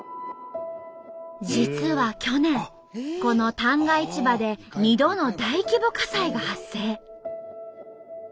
実は去年この旦過市場で２度の大規模火災が発生。